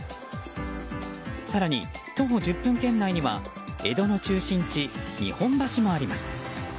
更に徒歩１０分圏内には江戸の中心地日本橋もあります。